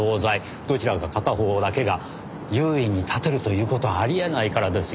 どちらか片方だけが優位に立てるという事はあり得ないからですよ。